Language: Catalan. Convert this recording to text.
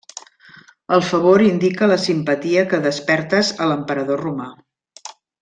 El favor indica la simpatia que despertes a l'emperador romà.